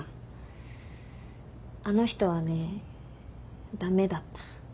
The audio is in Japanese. あの人はね駄目だった。